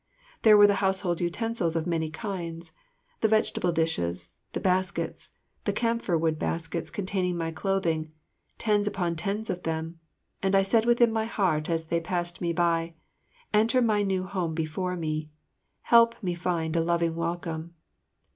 There were the household utensils of many kinds, the vegetable dishes, the baskets, the camphor wood baskets containing my clothing, tens upon tens of them; and I said within my heart as they passed me by, "Enter my new home before me. Help me find a loving welcome."